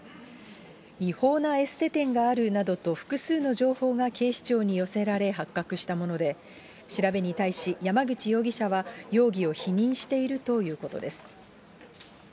違法なエステ店があるなどと、複数の情報が警視庁に寄せられ発覚したもので、調べに対し山口容疑者は容疑を否認しているということです。